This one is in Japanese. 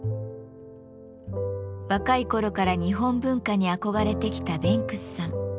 若い頃から日本文化に憧れてきたベンクスさん。